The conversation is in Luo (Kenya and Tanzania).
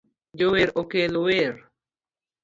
Jower okel wer